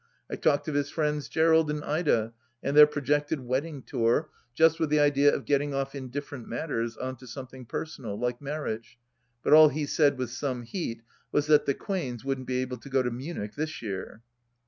I talked of his friends Gerald and Ida, and their projected wedding tour, just with the idea of getting off indifferent matters on to something personal, like marriage, but all he said, with some heat, was that the Quains wouldn't be able to go to Munich this year